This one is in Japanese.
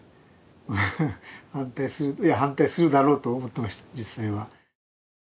反対する反対するだろうと思ってました実際は。